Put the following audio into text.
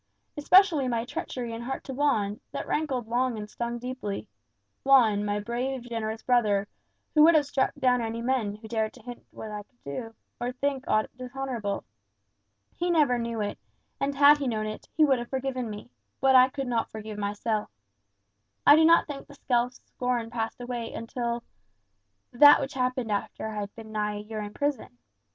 Especially my treachery in heart to Juan; that rankled long and stung deeply. Juan, my brave, generous brother, who would have struck down any man who dared to hint that I could do, or think, aught dishonourable! He never knew it; and had he known it, he would have forgiven me; but I could not forgive myself. I do not think the self scorn passed away until that which happened after I had been nigh a year in prison.